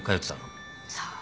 さあ。